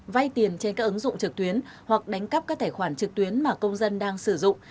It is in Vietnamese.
vay tiền trên các ứng dụng trực tuyến hoặc đánh cắp các tài khoản trực tuyến mà công dân đang sử dụng